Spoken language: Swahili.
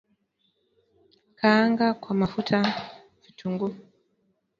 Kaanga kwa mafuta vitunguu